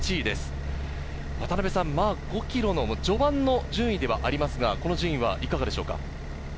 ５ｋｍの序盤の順位ではありますが、この順位はいかがでしょうか？